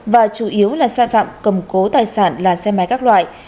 và chủ yếu là sai phạm cầm cố tài sản là xe máy các loại